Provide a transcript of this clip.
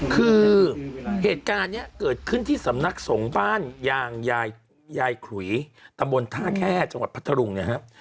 คือเหตุการณ์นี้เกิดขึ้นที่สำนักสงฆ์บ้านยางยายขลุยตำบลท่าแค่จังหวัดพัทธรุงเนี่ยครับ